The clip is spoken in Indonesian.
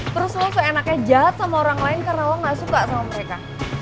terus lo seenaknya jahat sama orang lain karena orang gak suka sama mereka